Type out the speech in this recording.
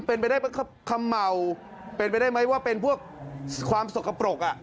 เป็นไปได้คำเห่าเป็นไปได้ไหมว่าเป็นพวกความสกปรก